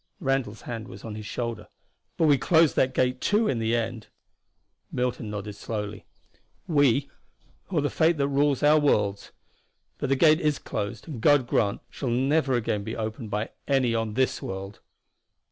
Randall's hand was on his shoulder. "But we closed that gate, too, in the end." Milton nodded slowly. "We or the fate that rules our worlds. But the gate is closed, and God grant, shall never again be opened by any on this world."